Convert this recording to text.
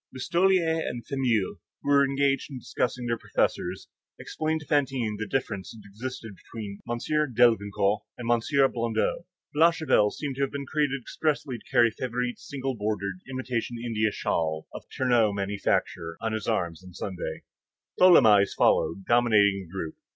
Listolier and Fameuil, who were engaged in discussing their professors, explained to Fantine the difference that existed between M. Delvincourt and M. Blondeau. Blachevelle seemed to have been created expressly to carry Favourite's single bordered, imitation India shawl of Ternaux's manufacture, on his arm on Sundays. Tholomyès followed, dominating the group.